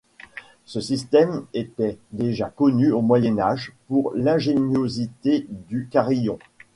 Ce système était déjà connu au Moyen Âge pour l'ingéniosité du carillon.